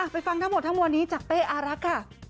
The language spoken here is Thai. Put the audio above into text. ไปฟังทั้งหมดทั้งวันนี้จากเป๊อารักค์